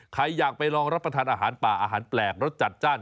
ใครอยากไปลองรับประทานอาหารป่าอาหารแปลกรสจัดจ้าน